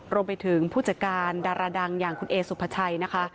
ผู้จัดการดาราดังอย่างคุณเอสุภาชัยนะคะ